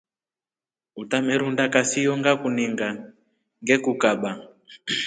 Utamerunda kasiyo ngakuninga ngekukaba.